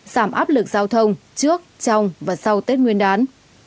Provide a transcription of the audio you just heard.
giảm áp lực giao thông trước trong và sau tết nguyên đán